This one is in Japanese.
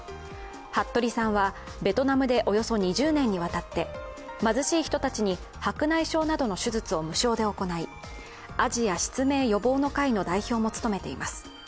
服部さんは、ベトナムでおよそ２０年にわたって、貧しい人たちに白内障などの手術を無償で行いアジア失明予防の会の代表も務めています。